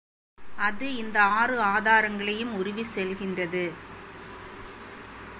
அது இந்த ஆறு ஆதாரங்களையும் உருவிச் செல்கின்றது.